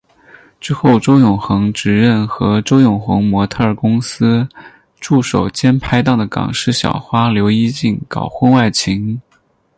之后周永恒直认和周永恒模特儿公司助手兼拍档的港视小花刘依静搞婚外情。